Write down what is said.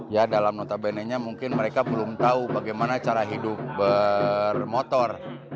ya dalam notabene nya mungkin mereka belum tahu bagaimana cara hidup bermotor